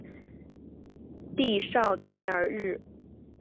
蒂绍代尔日。